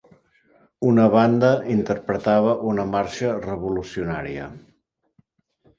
Una banda interpretava una marxa revolucionària.